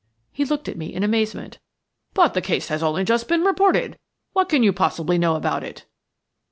He looked at me in amazement. "But the case has only just been reported. What can you possibly know about it?"